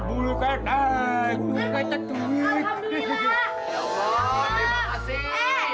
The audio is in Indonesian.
bulu keteknya tiga lembar sih